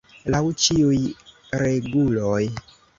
Laŭ ĉiuj reguloj!